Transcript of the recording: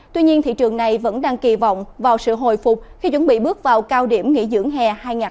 tuy nhiên thị trường này vẫn đang kỳ vọng vào sự hồi phục khi chuẩn bị bước vào cao điểm nghỉ dưỡng hè hai nghìn hai mươi bốn